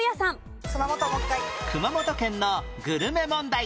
熊本県のグルメ問題